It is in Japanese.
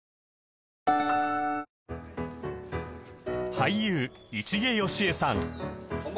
俳優市毛良枝さん